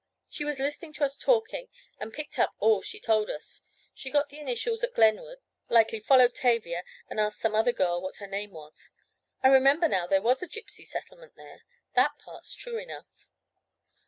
She was listening to us talking and picked up all she told us. She got the initials at Glenwood—likely followed Tavia and asked some other girl what her name was. I remember now, there was a Gypsy settlement there. That part's true enough."